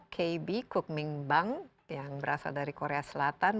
kb kukming bang yang berasal dari korea selatan